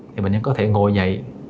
thì bệnh nhân có thể ngồi dậy